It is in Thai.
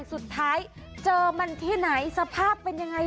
สุดท้ายเจอมันที่ไหนสภาพเป็นยังไง